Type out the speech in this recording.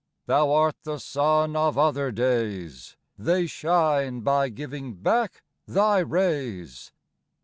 Thou art the Sun of other days : They shine by giving back thy rays.